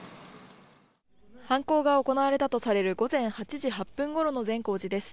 犯行が行われたとされる午前８時８分ごろの善光寺です。